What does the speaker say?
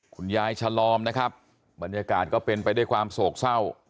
คุณยายฉลอมนะครับบรรยากาศก็เป็นไปด้วยความโศกเศร้า